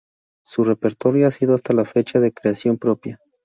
Su repertorio ha sido hasta la fecha de creación propia.